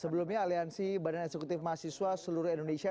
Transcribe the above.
sebelumnya aliansi badan eksekutif mahasiswa seluruh indonesia